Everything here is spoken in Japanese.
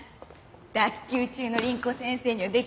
脱臼中の凛子先生にはできないっしょ。